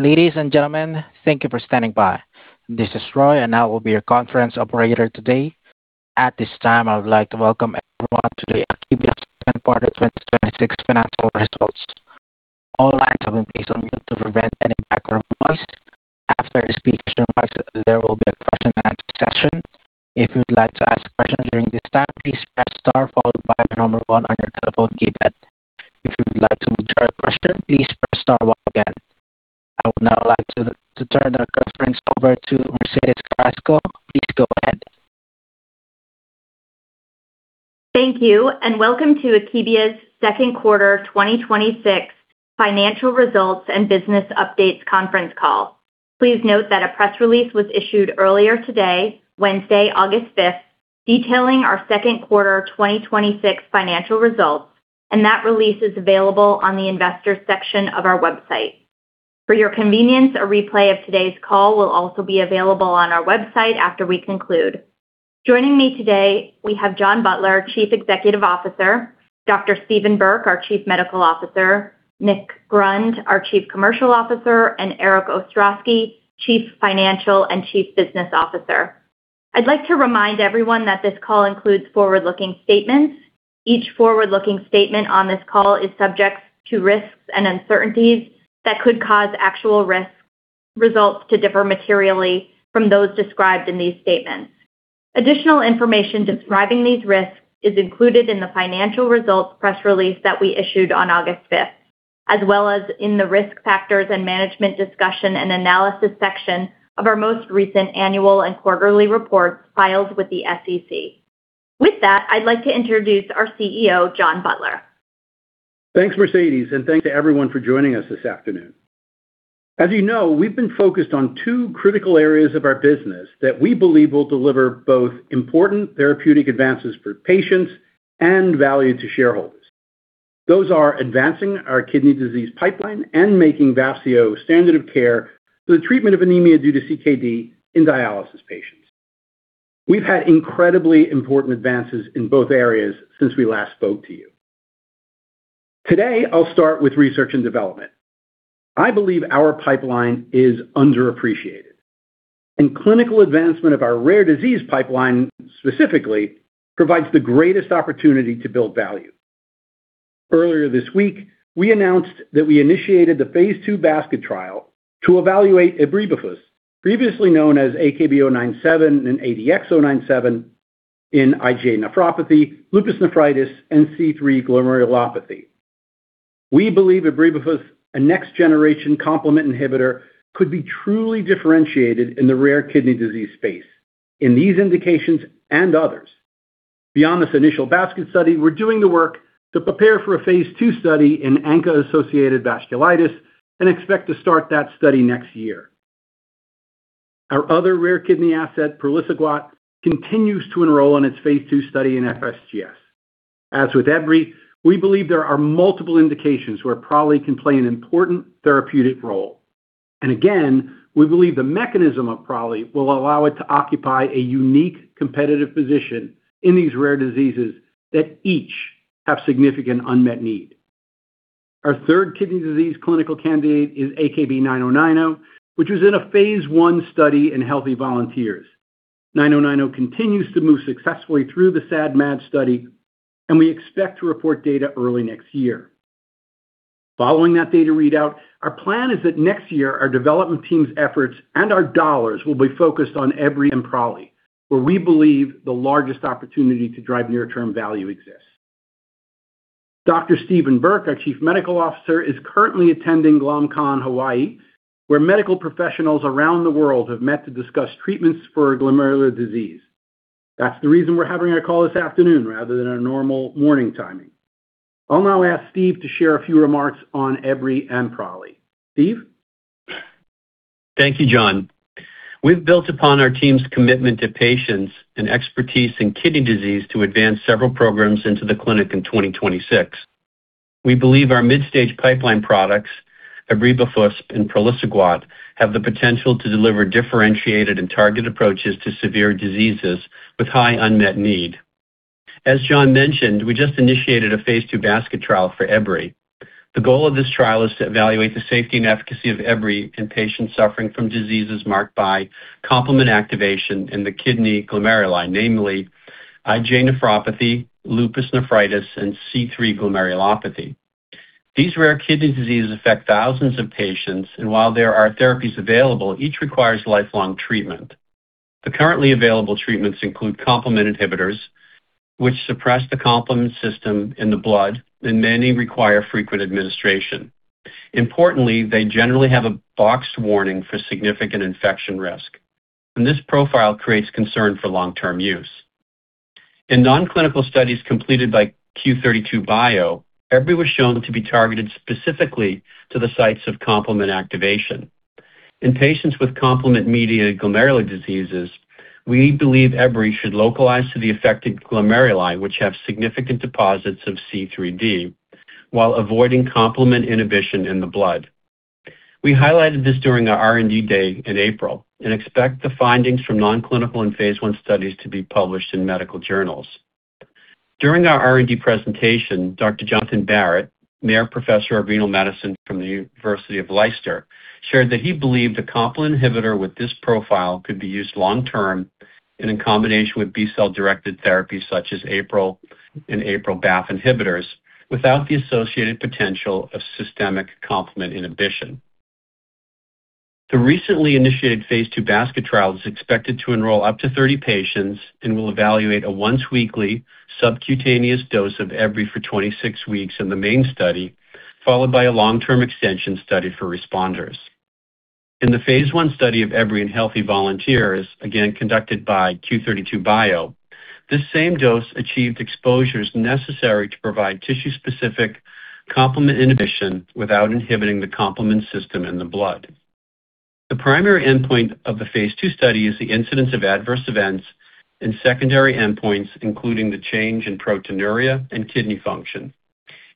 Ladies and gentlemen, thank you for standing by. This is Roy, and I will be your conference operator today. At this time, I would like to welcome everyone to the Akebia second quarter 2026 financial results. All lines have been placed on mute to prevent any background noise. After the speakers' remarks, there will be a question-and-answer session. If you would like to ask a question during this time, please press star followed by the number one on your telephone keypad. If you would like to withdraw your question, please press star one again. I would now like to turn our conference over to Mercedes Carrasco. Please go ahead. Thank you, and welcome to Akebia's second quarter 2026 financial results and business updates conference call. Please note that a press release was issued earlier today, Wednesday, August 5th, detailing our second quarter 2026 financial results, and that release is available on the investors section of our website. For your convenience, a replay of today's call will also be available on our website after we conclude. Joining me today, we have John Butler, Chief Executive Officer, Dr. Steven Burke, our Chief Medical Officer, Nick Grund, our Chief Commercial Officer, and Erik Ostrowski, Chief Financial and Chief Business Officer. I'd like to remind everyone that this call includes forward-looking statements. Each forward-looking statement on this call is subject to risks and uncertainties that could cause actual results to differ materially from those described in these statements. Additional information describing these risks is included in the financial results press release that we issued on August 5th, as well as in the Risk Factors and Management Discussion and Analysis section of our most recent annual and quarterly reports filed with the SEC. With that, I'd like to introduce our CEO, John Butler. Thanks, Mercedes, and thanks to everyone for joining us this afternoon. As you know, we've been focused on two critical areas of our business that we believe will deliver both important therapeutic advances for patients and value to shareholders. Those are advancing our kidney disease pipeline and making Vafseo standard of care for the treatment of anemia due to CKD in dialysis patients. We've had incredibly important advances in both areas since we last spoke to you. Today, I'll start with research and development. I believe our pipeline is underappreciated, and clinical advancement of our rare disease pipeline specifically provides the greatest opportunity to build value. Earlier this week, we announced that we initiated the phase II basket trial to evaluate ebribafusp, previously known as AKB-097 and ADX-097, in IgA nephropathy, lupus nephritis, and C3 glomerulopathy. We believe ebribafusp, a next-generation complement inhibitor, could be truly differentiated in the rare kidney disease space in these indications and others. Beyond this initial basket study, we're doing the work to prepare for a phase II study in ANCA-associated vasculitis and expect to start that study next year. Our other rare kidney asset, praliciguat, continues to enroll in its phase II study in FSGS. As with Ebri, we believe there are multiple indications where Proli can play an important therapeutic role. Again, we believe the mechanism of Proli will allow it to occupy a unique competitive position in these rare diseases that each have significant unmet need. Our third kidney disease clinical candidate is AKB-9090, which was in a phase I study in healthy volunteers. 9090 continues to move successfully through the SAD/MAD study, and we expect to report data early next year. Following that data readout, our plan is that next year, our development team's efforts and our $ will be focused on Ebri and Proli, where we believe the largest opportunity to drive near-term value exists. Dr. Steven K. Burke, our Chief Medical Officer, is currently attending GlomCon Hawaii, where medical professionals around the world have met to discuss treatments for glomerular disease. That's the reason we're having our call this afternoon rather than our normal morning timing. I'll now ask Steve to share a few remarks on Ebri and Proli. Steve? Thank you, John. We've built upon our team's commitment to patients and expertise in kidney disease to advance several programs into the clinic in 2026. We believe our mid-stage pipeline products, ebribafusp and praliciguat, have the potential to deliver differentiated and targeted approaches to severe diseases with high unmet need. As John mentioned, we just initiated a phase II basket trial for Ebri. The goal of this trial is to evaluate the safety and efficacy of Ebri in patients suffering from diseases marked by complement activation in the kidney glomeruli, namely IgA nephropathy, lupus nephritis, and C3 glomerulopathy. These rare kidney diseases affect thousands of patients, and while there are therapies available, each requires lifelong treatment. The currently available treatments include complement inhibitors, which suppress the complement system in the blood, and many require frequent administration. Importantly, they generally have a box warning for significant infection risk, and this profile creates concern for long-term use. In non-clinical studies completed by Q32 Bio, Ebri was shown to be targeted specifically to the sites of complement activation. In patients with complement mediated glomerular diseases, we believe Ebri should localize to the affected glomeruli, which have significant deposits of C3d, while avoiding complement inhibition in the blood. We highlighted this during our R&D day in April and expect the findings from non-clinical and phase I studies to be published in medical journals. During our R&D presentation, Dr. Jonathan Barratt, Mayer Professor of Renal Medicine from the University of Leicester, shared that he believed a complement inhibitor with this profile could be used long-term and in combination with B-cell-directed therapies such as APRIL and APRIL-BAFF inhibitors without the associated potential of systemic complement inhibition. The recently initiated phase II BASKET trial is expected to enroll up to 30 patients and will evaluate a once-weekly subcutaneous dose of Ebri for 26 weeks in the main study, followed by a long-term extension study for responders. In the phase I study of Ebri in healthy volunteers, again conducted by Q32 Bio, this same dose achieved exposures necessary to provide tissue-specific complement inhibition without inhibiting the complement system in the blood. The primary endpoint of the phase II study is the incidence of adverse events, and secondary endpoints including the change in proteinuria and kidney function.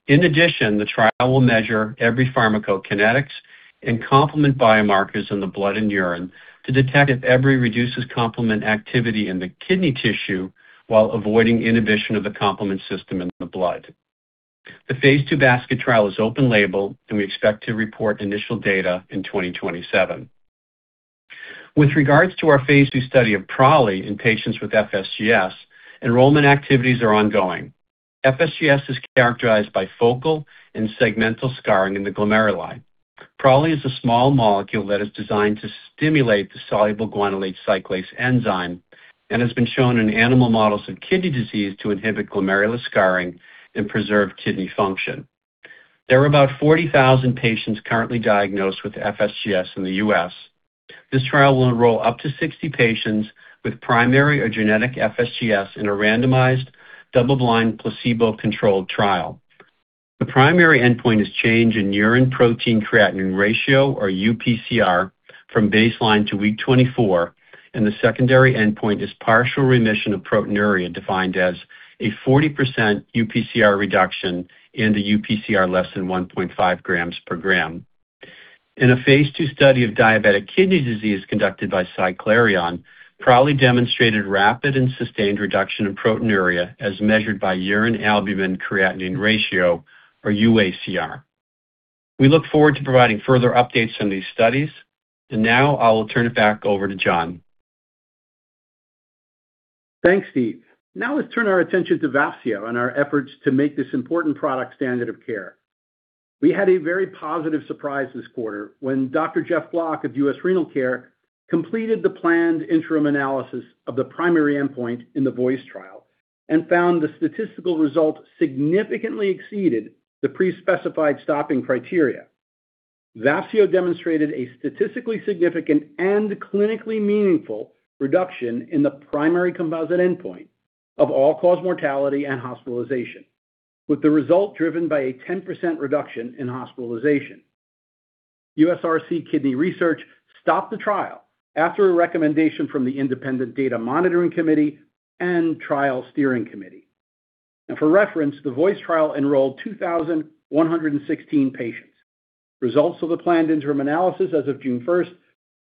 In addition, the trial will measure Ebri pharmacokinetics and complement biomarkers in the blood and urine to detect if Ebri reduces complement activity in the kidney tissue while avoiding inhibition of the complement system in the blood. The phase II BASKET trial is open label. We expect to report initial data in 2027. With regards to our phase II study of Proli in patients with FSGS, enrollment activities are ongoing. FSGS is characterized by focal and segmental scarring in the glomeruli. Proli is a small molecule that is designed to stimulate the soluble guanylate cyclase enzyme and has been shown in animal models of kidney disease to inhibit glomerular scarring and preserve kidney function. There are about 40,000 patients currently diagnosed with FSGS in the U.S. This trial will enroll up to 60 patients with primary or genetic FSGS in a randomized, double-blind, placebo-controlled trial. The primary endpoint is change in urine protein-creatinine ratio, or UPCR, from baseline to week 24. The secondary endpoint is partial remission of proteinuria, defined as a 40% UPCR reduction and a UPCR less than 1.5 grams per gram. In a phase II study of diabetic kidney disease conducted by Cyclerion, Proli demonstrated rapid and sustained reduction in proteinuria as measured by urine albumin creatinine ratio, or UACR. We look forward to providing further updates on these studies. Now I will turn it back over to John. Thanks, Steve. Now let's turn our attention to Vafseo and our efforts to make this important product standard of care. We had a very positive surprise this quarter when Dr. Geoff Block of U.S. Renal Care completed the planned interim analysis of the primary endpoint in the VOICE trial and found the statistical result significantly exceeded the pre-specified stopping criteria. Vafseo demonstrated a statistically significant and clinically meaningful reduction in the primary composite endpoint of all-cause mortality and hospitalization, with the result driven by a 10% reduction in hospitalization. USRC Kidney Research stopped the trial after a recommendation from the independent data monitoring committee and trial steering committee. For reference, the VOICE trial enrolled 2,116 patients. Results of the planned interim analysis as of June 1st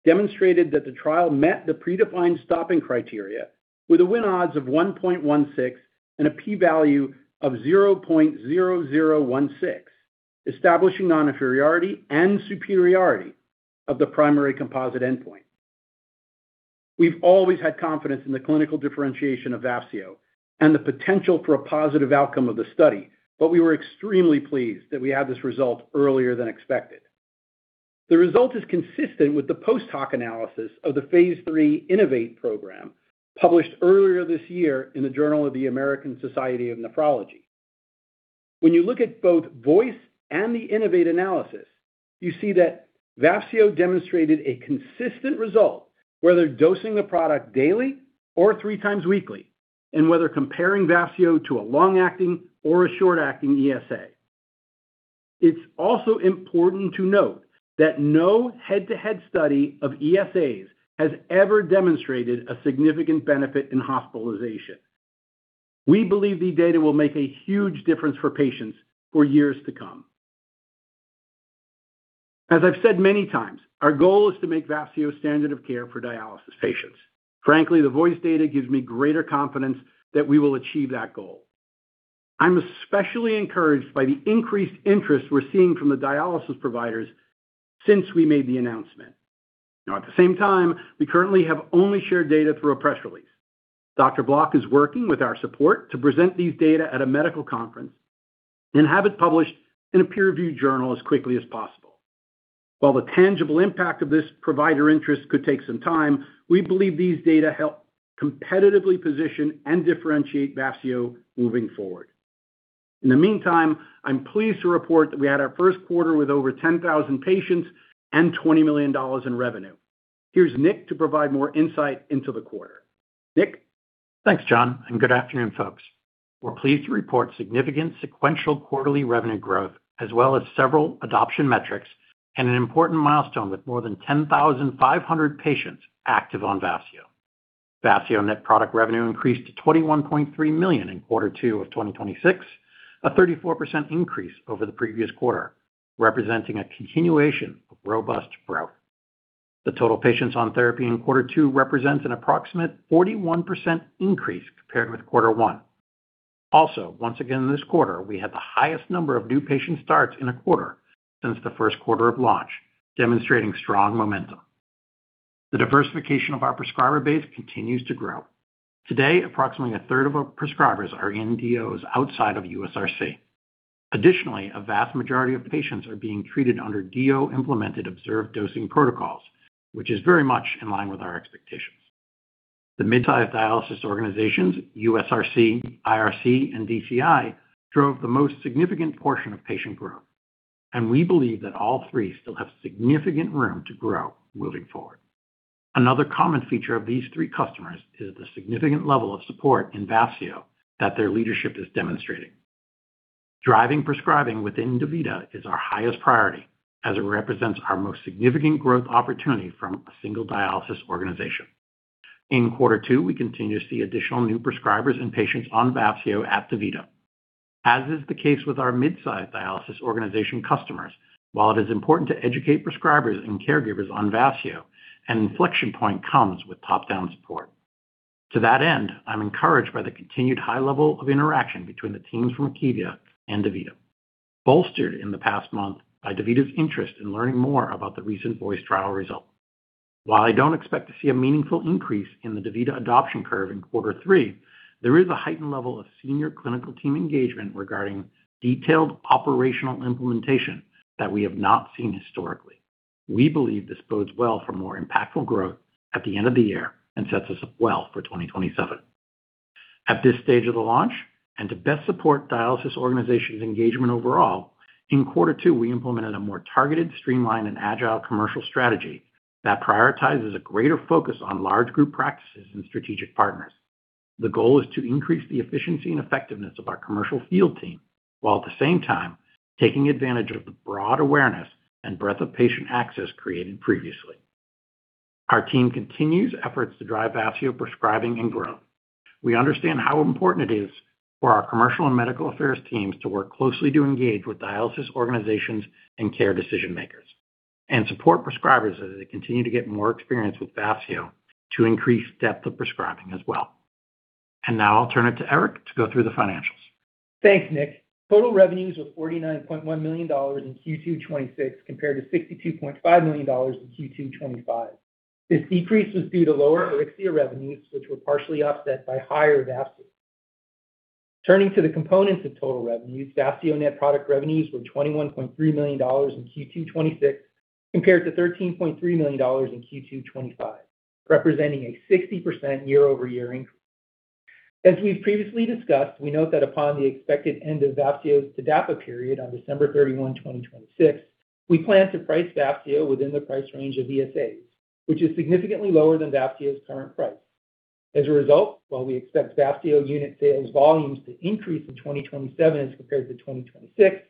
demonstrated that the trial met the predefined stopping criteria with a win odds of 1.16 and a P value of 0.0016, establishing non-inferiority and superiority of the primary composite endpoint. We've always had confidence in the clinical differentiation of Vafseo and the potential for a positive outcome of the study, but we were extremely pleased that we had this result earlier than expected. The result is consistent with the post-hoc analysis of the phase III INNO2VATE program, published earlier this year in the Journal of the American Society of Nephrology. When you look at both VOICE and the INNO2VATE analysis, you see that Vafseo demonstrated a consistent result whether dosing the product daily or three times weekly, and whether comparing Vafseo to a long-acting or a short-acting ESA. It's also important to note that no head-to-head study of ESAs has ever demonstrated a significant benefit in hospitalization. We believe these data will make a huge difference for patients for years to come. As I've said many times, our goal is to make Vafseo standard of care for dialysis patients. Frankly, the VOICE data gives me greater confidence that we will achieve that goal. I'm especially encouraged by the increased interest we're seeing from the dialysis providers since we made the announcement. At the same time, we currently have only shared data through a press release. Dr. Block is working with our support to present these data at a medical conference and have it published in a peer-reviewed journal as quickly as possible. While the tangible impact of this provider interest could take some time, we believe these data help competitively position and differentiate Vafseo moving forward. In the meantime, I'm pleased to report that we had our first quarter with over 10,000 patients and $20 million in revenue. Here's Nick to provide more insight into the quarter. Nick? Thanks, John, and good afternoon, folks. We're pleased to report significant sequential quarterly revenue growth as well as several adoption metrics and an important milestone with more than 10,500 patients active on Vafseo. Vafseo net product revenue increased to $21.3 million in quarter two of 2026, a 34% increase over the previous quarter, representing a continuation of robust growth. The total patients on therapy in quarter two represents an approximate 41% increase compared with quarter one. Once again, in this quarter, we had the highest number of new patient starts in a quarter since the first quarter of launch, demonstrating strong momentum. The diversification of our prescriber base continues to grow. Today, approximately a third of our prescribers are in LDOs outside of USRC. Additionally, a vast majority of patients are being treated under LDO-implemented observed dosing protocols, which is very much in line with our expectations. The mid-sized dialysis organizations, USRC, IRC, and DCI, drove the most significant portion of patient growth. We believe that all three still have significant room to grow moving forward. Another common feature of these three customers is the significant level of support in Vafseo that their leadership is demonstrating. Driving prescribing within DaVita is our highest priority as it represents our most significant growth opportunity from a single dialysis organization. In quarter two, we continue to see additional new prescribers and patients on Vafseo at DaVita. As is the case with our mid-sized dialysis organization customers, while it is important to educate prescribers and caregivers on Vafseo, an inflection point comes with top-down support. To that end, I'm encouraged by the continued high level of interaction between the teams from Akebia and DaVita, bolstered in the past month by DaVita's interest in learning more about the recent VOICE trial results. While I don't expect to see a meaningful increase in the DaVita adoption curve in quarter three, there is a heightened level of senior clinical team engagement regarding detailed operational implementation that we have not seen historically. We believe this bodes well for more impactful growth at the end of the year and sets us up well for 2027. At this stage of the launch, to best support dialysis organizations' engagement overall, in quarter two, we implemented a more targeted, streamlined, and agile commercial strategy that prioritizes a greater focus on large group practices and strategic partners. The goal is to increase the efficiency and effectiveness of our commercial field team, while at the same time taking advantage of the broad awareness and breadth of patient access created previously. Our team continues efforts to drive Vafseo prescribing and growth. We understand how important it is for our commercial and medical affairs teams to work closely to engage with dialysis organizations and care decision-makers and support prescribers as they continue to get more experience with Vafseo to increase depth of prescribing as well. Now I'll turn it to Eric to go through the financials. Thanks, Nick. Total revenues were $49.1 million in Q2 2026 compared to $62.5 million in Q2 2025. This decrease was due to lower AURYXIA revenues, which were partially offset by higher Vafseo. Turning to the components of total revenues, Vafseo net product revenues were $21.3 million in Q2 2026 compared to $13.3 million in Q2 2025, representing a 60% year-over-year increase. As we've previously discussed, we note that upon the expected end of Vafseo's TDAPA period on December 31, 2026, we plan to price Vafseo within the price range of ESAs, which is significantly lower than Vafseo's current price. As a result, while we expect Vafseo unit sales volumes to increase in 2027 as compared to 2026,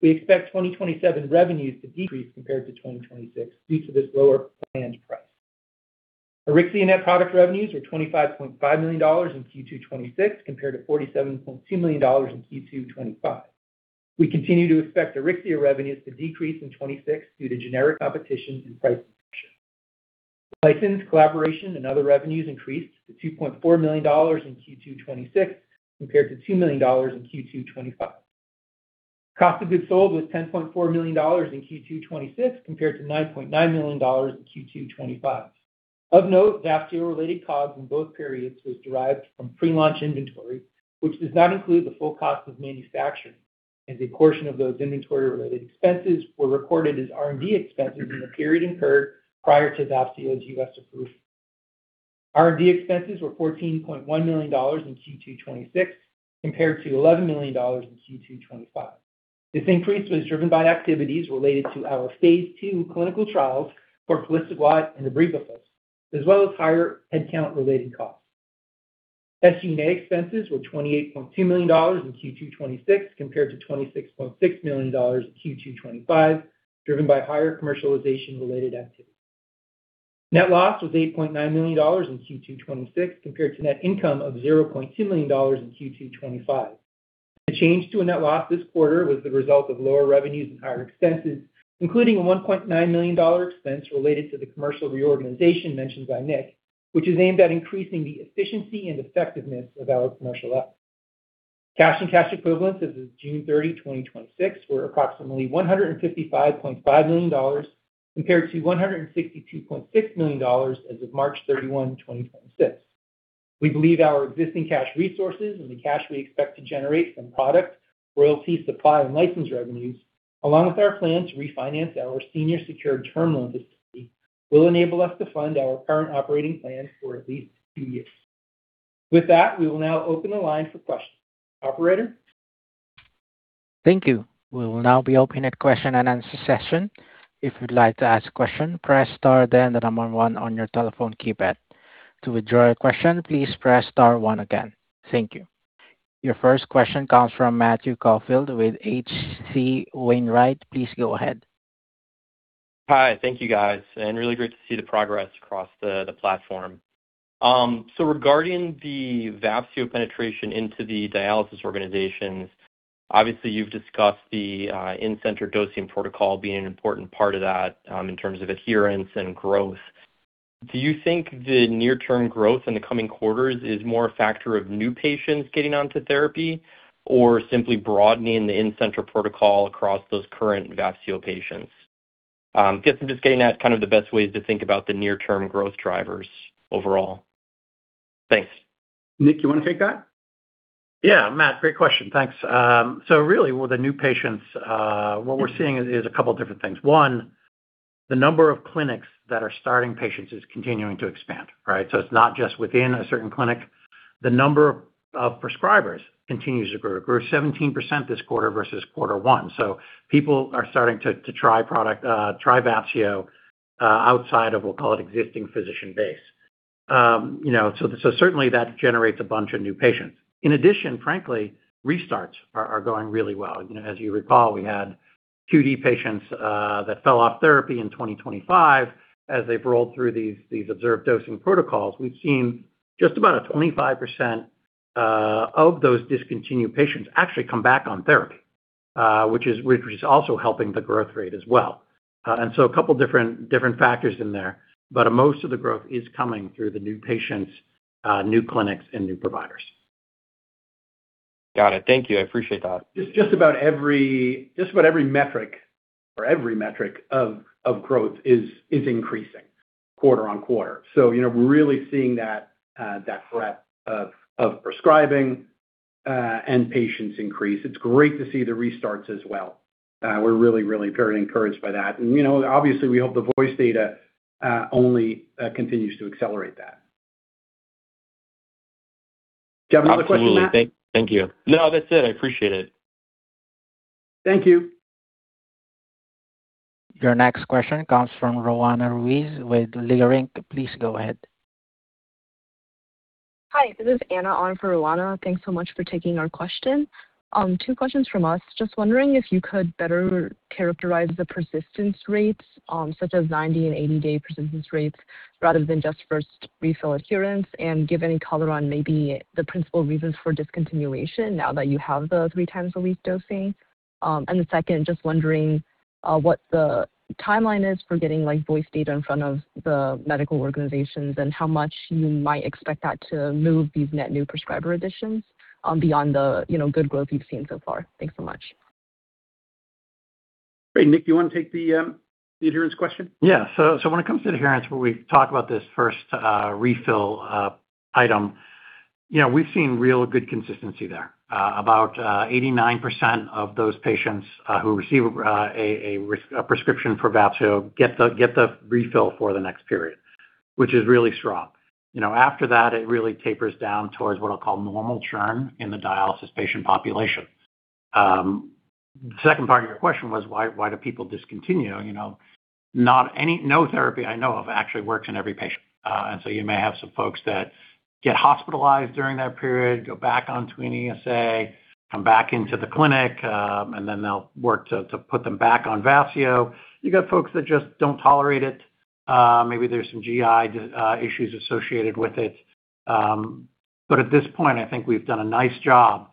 we expect 2027 revenues to decrease compared to 2026 due to this lower planned price. AURYXIA net product revenues were $25.5 million in Q2 2026 compared to $47.2 million in Q2 2025. We continue to expect AURYXIA revenues to decrease in 2026 due to generic competition and price pressure. License, collaboration, and other revenues increased to $2.4 million in Q2 2026 compared to $2 million in Q2 2025. Cost of goods sold was $10.4 million in Q2 2026 compared to $9.9 million in Q2 2025. Of note, Vafseo-related COGS in both periods was derived from pre-launch inventory, which does not include the full cost of manufacturing, as a portion of those inventory-related expenses were recorded as R&D expenses in the period incurred prior to Vafseo's U.S. approval. R&D expenses were $14.1 million in Q2 2026 compared to $11 million in Q2 2025. This increase was driven by activities related to our phase II clinical trials for fulvestrant and abiraterone, as well as higher headcount-related costs. SG&A expenses were $28.2 million in Q2 2026 compared to $26.6 million in Q2 2025, driven by higher commercialization-related activity. Net loss was $8.9 million in Q2 2026 compared to net income of $0.2 million in Q2 2025. The change to a net loss this quarter was the result of lower revenues and higher expenses, including a $1.9 million expense related to the commercial reorganization mentioned by Nick, which is aimed at increasing the efficiency and effectiveness of our commercial efforts. Cash and cash equivalents as of June 30, 2026, were approximately $155.5 million compared to $162.6 million as of March 31, 2026. We believe our existing cash resources and the cash we expect to generate from product, royalty, supply, and license revenues, along with our plan to refinance our senior secured term loan facility, will enable us to fund our current operating plan for at least two years. With that, we will now open the line for questions. Operator? Thank you. We will now be opening the question and answer session. If you'd like to ask a question, press star then the number 1 on your telephone keypad. To withdraw your question, please press star 1 again. Thank you. Your first question comes from Matthew Caulfield with H.C. Wainwright. Please go ahead. Hi. Thank you, guys, and really great to see the progress across the platform. Regarding the Vafseo penetration into the dialysis organizations, obviously you've discussed the in-center dosing protocol being an important part of that in terms of adherence and growth. Do you think the near-term growth in the coming quarters is more a factor of new patients getting onto therapy, or simply broadening the in-center protocol across those current Vafseo patients? I guess I'm just getting at kind of the best ways to think about the near-term growth drivers overall. Thanks. Nick, you want to take that? Yeah, Matt, great question. Thanks. Really with the new patients, what we're seeing is a couple different things. One, the number of clinics that are starting patients is continuing to expand. It's not just within a certain clinic. The number of prescribers continues to grow. It grew 17% this quarter versus quarter 1. People are starting to try Vafseo outside of, we'll call it existing physician base. Certainly that generates a bunch of new patients. In addition, frankly, restarts are going really well. As you recall, we had QD patients that fell off therapy in 2025 as they've rolled through these observed dosing protocols. We've seen just about 25% of those discontinued patients actually come back on therapy, which is also helping the growth rate as well. A couple different factors in there, but most of the growth is coming through the new patients, new clinics, and new providers. Got it. Thank you. I appreciate that. Just about every metric of growth is increasing quarter-over-quarter. We're really seeing that breadth of prescribing and patients increase. It's great to see the restarts as well. We're really very encouraged by that. Obviously, we hope the VOICE data only continues to accelerate that. Do you have another question, Matt? Absolutely. Thank you. No, that's it. I appreciate it. Thank you. Your next question comes from Roanna Ruiz with Leerink. Please go ahead. Hi, this is Anna on for Roanna. Thanks so much for taking our question. Two questions from us. Just wondering if you could better characterize the persistence rates, such as 90 and 80-day persistence rates, rather than just first refill adherence, and give any color on maybe the principal reasons for discontinuation now that you have the three times a week dosing. The second, just wondering what the timeline is for getting VOICE data in front of the medical organizations and how much you might expect that to move these net new prescriber additions beyond the good growth you've seen so far. Thanks so much. Great. Nick, you want to take the adherence question? Yeah. When it comes to adherence, where we talk about this first refill item, we've seen real good consistency there. About 89% of those patients who receive a prescription for Vafseo get the refill for the next period, which is really strong. After that, it really tapers down towards what I'll call normal churn in the dialysis patient population. The second part of your question was why do people discontinue? No therapy I know of actually works in every patient. You may have some folks that get hospitalized during that period, go back onto an ESA, come back into the clinic, and then they'll work to put them back on Vafseo. You got folks that just don't tolerate it. Maybe there's some GI issues associated with it. At this point, I think we've done a nice job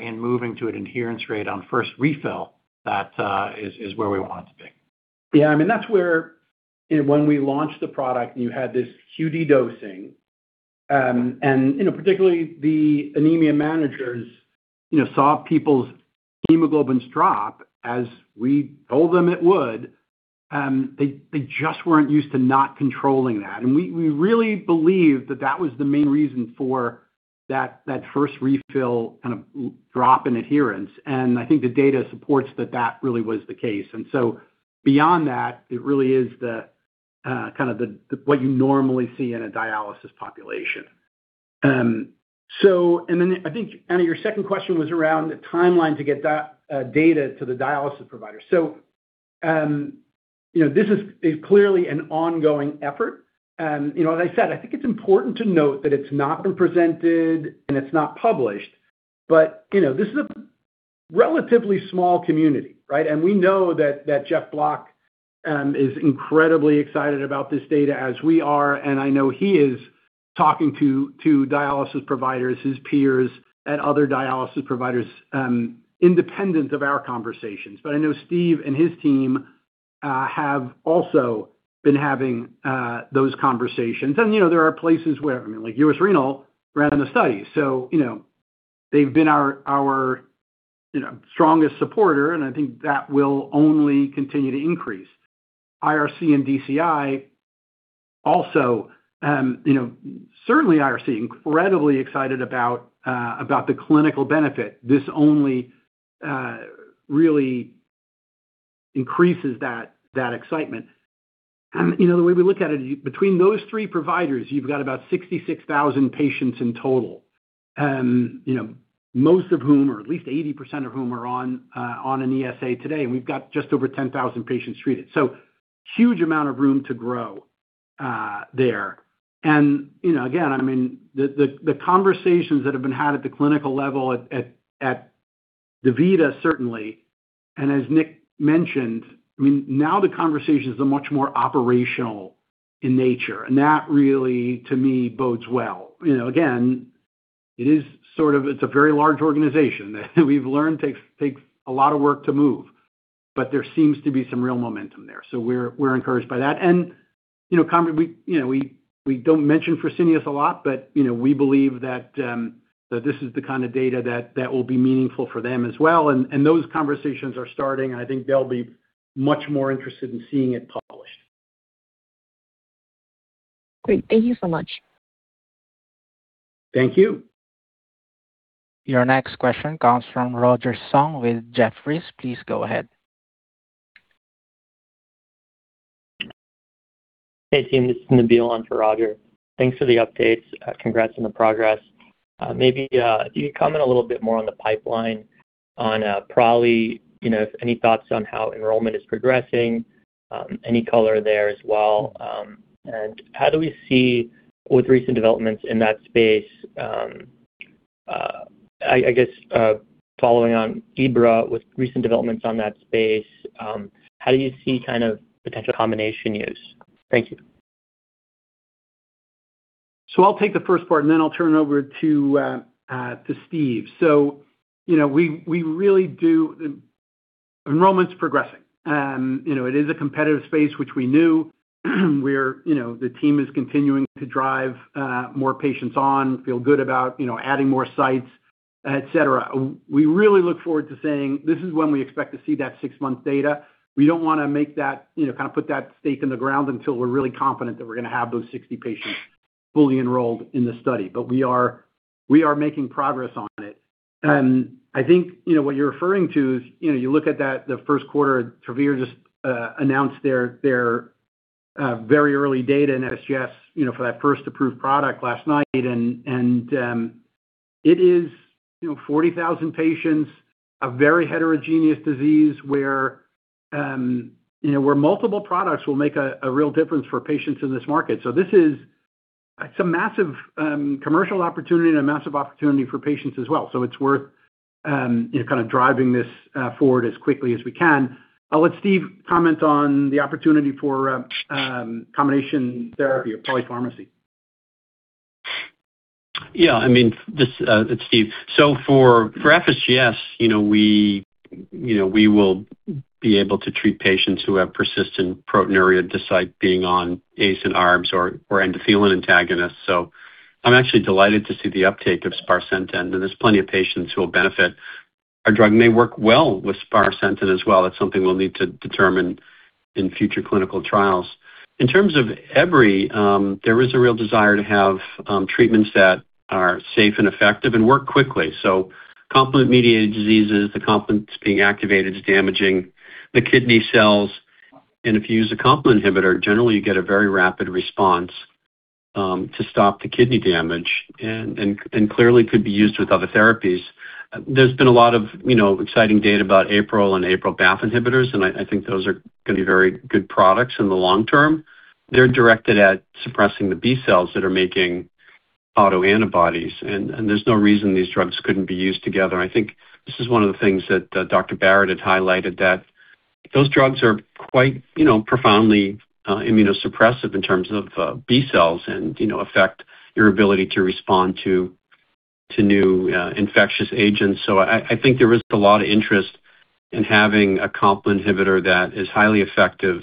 in moving to an adherence rate on first refill that is where we want it to be. That's where when we launched the product and you had this QD dosing, and particularly the anemia managers saw people's hemoglobins drop, as we told them it would. They just weren't used to not controlling that. We really believe that that was the main reason for that first refill kind of drop in adherence. I think the data supports that that really was the case. Beyond that, it really is what you normally see in a dialysis population. I think, Anna, your second question was around the timeline to get that data to the dialysis provider. This is clearly an ongoing effort. As I said, I think it's important to note that it's not been presented and it's not published, but this is a relatively small community, right? We know that Jeff Block is incredibly excited about this data as we are. I know he is talking to dialysis providers, his peers at other dialysis providers, independent of our conversations. I know Steve and his team have also been having those conversations. There are places where, like U.S. Renal ran the study. They've been our strongest supporter, and I think that will only continue to increase. IRC and DCI also, certainly IRC, incredibly excited about the clinical benefit. This only really increases that excitement. The way we look at it, between those three providers, you've got about 66,000 patients in total. Most of whom, or at least 80% of whom are on an ESA today, and we've got just over 10,000 patients treated. Huge amount of room to grow there. Again, the conversations that have been had at the clinical level at DaVita, certainly. As Nick mentioned, now the conversation is much more operational in nature, that really, to me, bodes well. Again, it's a very large organization that we've learned takes a lot of work to move, but there seems to be some real momentum there. We're encouraged by that. We don't mention Fresenius a lot, but we believe that this is the kind of data that will be meaningful for them as well, those conversations are starting, I think they'll be much more interested in seeing it published. Great. Thank you so much. Thank you. Your next question comes from Roger Song with Jefferies. Please go ahead. Hey, team, this is Nabil on for Roger. Thanks for the updates. Congrats on the progress. Maybe if you could comment a little bit more on the pipeline on praliciguat. Any thoughts on how enrollment is progressing? Any color there as well. How do we see with recent developments in that space, I guess, following on ebribafusp, with recent developments on that space, how do you see potential combination use? Thank you. I'll take the first part, and then I'll turn it over to Steve. Enrollment's progressing. It is a competitive space, which we knew. The team is continuing to drive more patients on, feel good about adding more sites, et cetera. We really look forward to saying, "This is when we expect to see that six-month data." We don't want to put that stake in the ground until we're really confident that we're going to have those 60 patients fully enrolled in the study. We are making progress on it. I think what you're referring to is you look at that, the first quarter, Travere just announced their very early data in FSGS for that first approved product last night, and it is 40,000 patients, a very heterogeneous disease where multiple products will make a real difference for patients in this market. This is a massive commercial opportunity and a massive opportunity for patients as well. It's worth kind of driving this forward as quickly as we can. I'll let Steve comment on the opportunity for combination therapy or polypharmacy. It's Steve. For FSGS, we will be able to treat patients who have persistent proteinuria despite being on ACE and ARBs or endothelin antagonists. I'm actually delighted to see the uptake of sparsentan, and there's plenty of patients who will benefit. Our drug may work well with sparsentan as well. That's something we'll need to determine in future clinical trials. In terms of ebribafusp, there is a real desire to have treatments that are safe and effective and work quickly. Complement-mediated diseases, the complement that's being activated is damaging the kidney cells, and if you use a complement inhibitor, generally you get a very rapid response to stop the kidney damage, and clearly could be used with other therapies. There's been a lot of exciting data about APRIL and APRIL-BAFF inhibitors, and I think those are going to be very good products in the long term. They're directed at suppressing the B cells that are making autoantibodies, and there's no reason these drugs couldn't be used together. I think this is one of the things that Dr. Barrett had highlighted, that those drugs are quite profoundly immunosuppressive in terms of B cells and affect your ability to respond to new infectious agents. I think there is a lot of interest in having a complement inhibitor that is highly effective,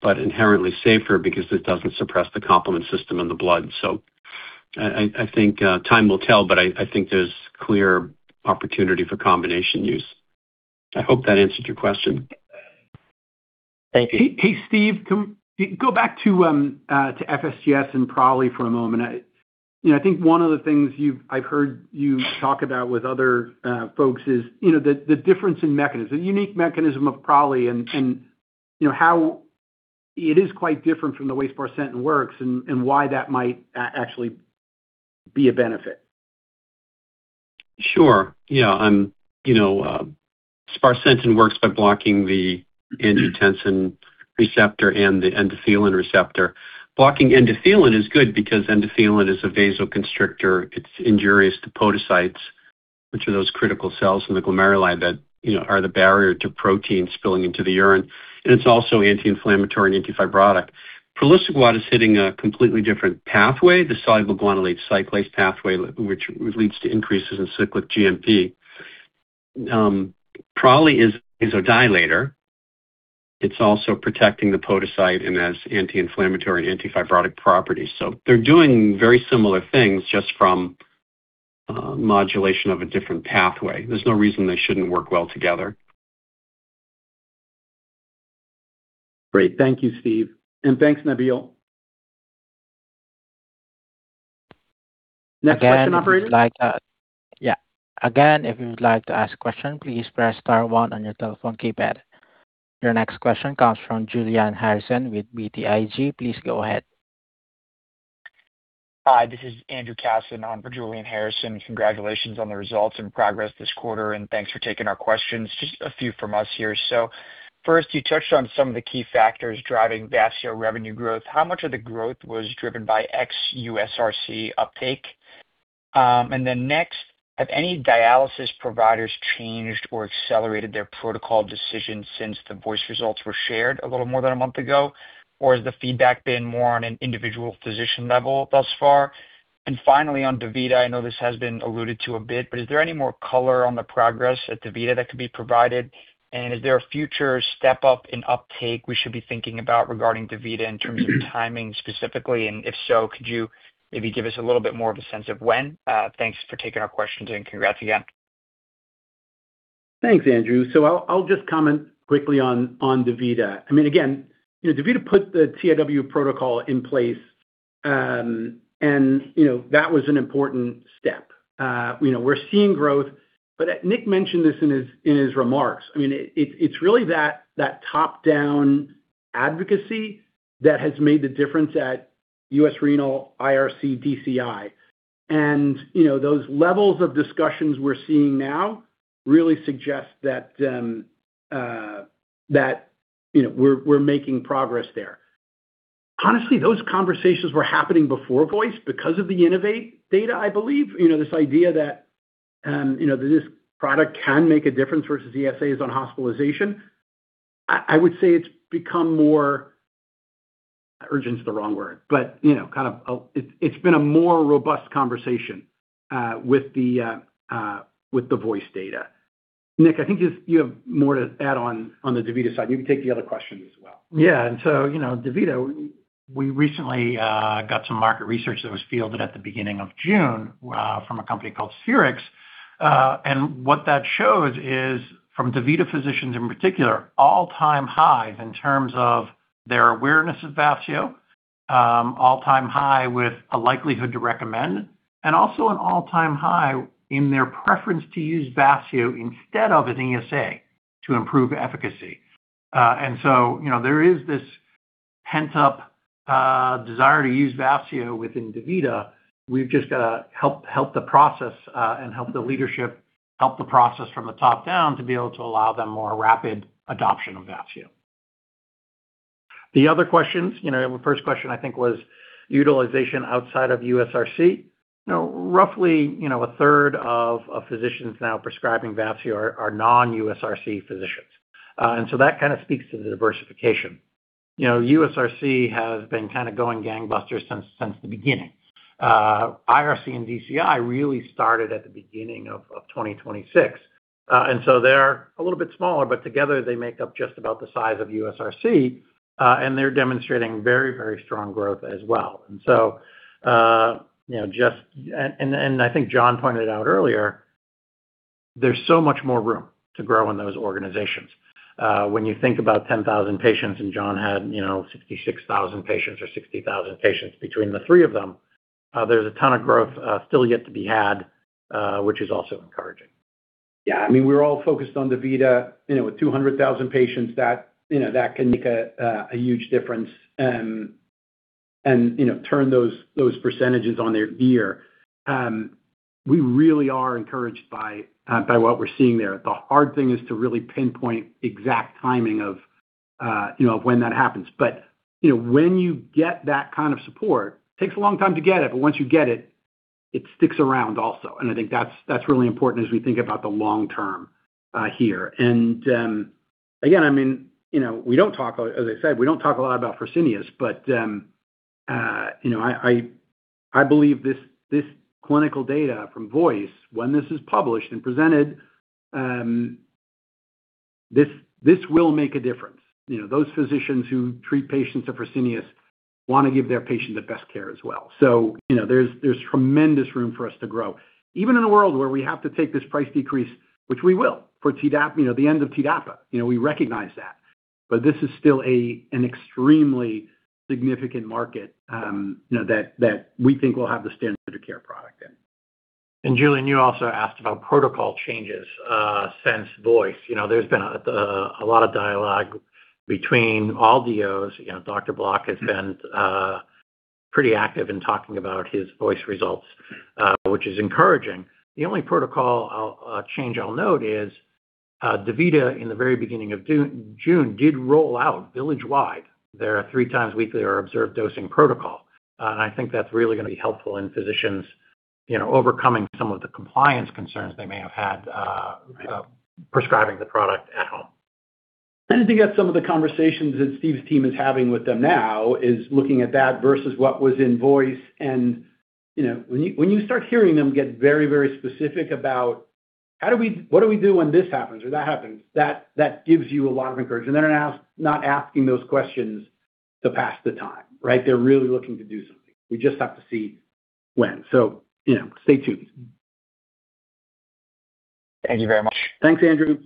but inherently safer because it doesn't suppress the complement system in the blood. I think time will tell, but I think there's clear opportunity for combination use. I hope that answered your question. Thank you. Hey, Steve. Go back to FSGS and Proli for a moment. I think one of the things I've heard you talk about with other folks is the difference in mechanism, the unique mechanism of Proli, and how it is quite different from the way sparsentan works and why that might actually be a benefit. Sure. Yeah. Sparsentan works by blocking the angiotensin receptor and the endothelin receptor. Blocking endothelin is good because endothelin is a vasoconstrictor. It's injurious to podocytes, which are those critical cells in the glomeruli that are the barrier to protein spilling into the urine, and it's also anti-inflammatory and anti-fibrotic. Praliciguat is hitting a completely different pathway, the soluble guanylate cyclase pathway, which leads to increases in cyclic GMP. Proli is a dilator. It's also protecting the podocyte and has anti-inflammatory and anti-fibrotic properties. They're doing very similar things, just from modulation of a different pathway. There's no reason they shouldn't work well together. Great. Thank you, Steve, and thanks, Nabil. Next question, operator. Again, if you would like to ask a question, please press star one on your telephone keypad. Your next question comes from Julian Harrison with BTIG. Please go ahead. Hi, this is Andrew Kassin on for Julian Harrison. Congratulations on the results and progress this quarter. Thanks for taking our questions. Just a few from us here. First, you touched on some of the key factors driving Vafseo revenue growth. How much of the growth was driven by ex-USRC uptake? Next, have any dialysis providers changed or accelerated their protocol decisions since the VOICE results were shared a little more than 1 month ago? Has the feedback been more on an individual physician level thus far? Finally, on DaVita, I know this has been alluded to a bit, is there any more color on the progress at DaVita that could be provided? Is there a future step up in uptake we should be thinking about regarding DaVita in terms of timing specifically? If so, could you maybe give us a little bit more of a sense of when? Thanks for taking our questions and congrats again. Thanks, Andrew. I'll just comment quickly on DaVita. Again, DaVita put the CIWA Protocol in place, and that was an important step. We're seeing growth, Nick mentioned this in his remarks. It's really that top-down advocacy that has made the difference at U.S. Renal IRC DCI. Those levels of discussions we're seeing now really suggest that we're making progress there. Honestly, those conversations were happening before VOICE because of the INNO2VATE data, I believe. This idea that this product can make a difference versus ESAs on hospitalization. I would say it's become more, urgent is the wrong word, it's been a more robust conversation with the VOICE data. Nick, I think you have more to add on the DaVita side. You can take the other question as well. Yeah. DaVita, we recently got some market research that was fielded at the beginning of June from a company called Serix. What that shows is from DaVita physicians in particular, all-time high in terms of their awareness of Vafseo, all-time high with a likelihood to recommend, and also an all-time high in their preference to use Vafseo instead of an ESA to improve efficacy. There is this pent-up desire to use Vafseo within DaVita. We've just got to help the process, and help the leadership help the process from the top down to be able to allow them more rapid adoption of Vafseo. The other questions, the first question, I think, was utilization outside of USRC. Roughly, a third of physicians now prescribing Vafseo are non-USRC physicians. That kind of speaks to the diversification. USRC has been kind of going gangbusters since the beginning. IRC and DCI really started at the beginning of 2026. They're a little bit smaller, but together they make up just about the size of USRC, and they're demonstrating very strong growth as well. I think John pointed out earlier, there's so much more room to grow in those organizations. When you think about 10,000 patients, and John had 66,000 patients or 60,000 patients between the three of them, there's a ton of growth still yet to be had, which is also encouraging. Yeah. We're all focused on DaVita. With 200,000 patients, that can make a huge difference and turn those percentages on their ear. We really are encouraged by what we're seeing there. The hard thing is to really pinpoint exact timing of when that happens. When you get that kind of support, takes a long time to get it, but once you get it sticks around also. I think that's really important as we think about the long term here. Again, as I said, we don't talk a lot about Fresenius, but I believe this clinical data from VOICE, when this is published and presented, this will make a difference. Those physicians who treat patients at Fresenius want to give their patient the best care as well. There's tremendous room for us to grow, even in a world where we have to take this price decrease, which we will for the end of TDAPA. We recognize that. This is still an extremely significant market that we think will have the standard of care product in. Julian, you also asked about protocol changes since VOICE. There has been a lot of dialogue between all LDOs. Dr. Block has been pretty active in talking about his VOICE results, which is encouraging. The only protocol change I will note is, DaVita, in the very beginning of June, did roll out village-wide their three times weekly or observed dosing protocol. I think that is really going to be helpful in physicians overcoming some of the compliance concerns they may have had prescribing the product at home. I think that is some of the conversations that Steve's team is having with them now is looking at that versus what was in VOICE and when you start hearing them get very specific about, "What do we do when this happens or that happens?" That gives you a lot of encouragement. They are not asking those questions to pass the time, right? They are really looking to do something. We just have to see when. Stay tuned. Thank you very much. Thanks, Andrew.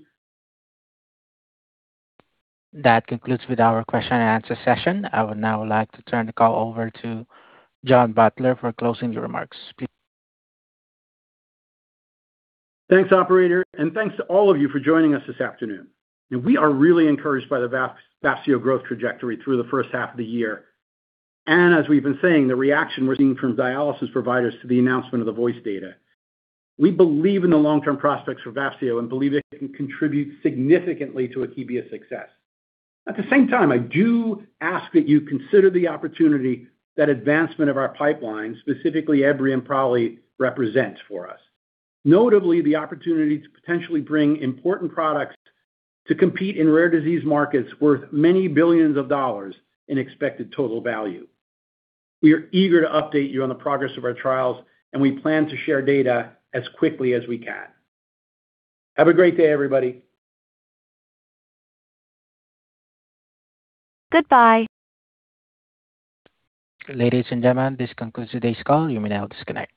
That concludes with our question and answer session. I would now like to turn the call over to John Butler for closing remarks. Please proceed. Thanks, operator, and thanks to all of you for joining us this afternoon. We are really encouraged by the Vafseo growth trajectory through the first half of the year. As we've been saying, the reaction we're seeing from dialysis providers to the announcement of the VOICE data. We believe in the long-term prospects for Vafseo and believe it can contribute significantly to Akebia's success. At the same time, I do ask that you consider the opportunity that advancement of our pipeline, specifically ebribafusp probably represents for us. Notably, the opportunity to potentially bring important products to compete in rare disease markets worth many billions of dollars in expected total value. We are eager to update you on the progress of our trials, and we plan to share data as quickly as we can. Have a great day, everybody. Goodbye. Ladies and gentlemen, this concludes today's call. You may now disconnect.